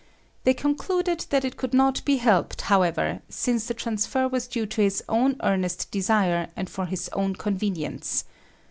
They concluded that it could not be helped, however, since the transfer was due to his own earnest desire and for his own convenience.